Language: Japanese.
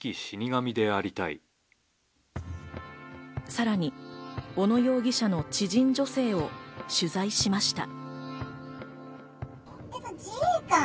さらに小野容疑者の知人女性を取材しました。